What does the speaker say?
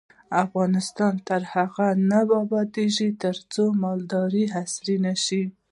افغانستان تر هغو نه ابادیږي، ترڅو مالداري عصري نشي.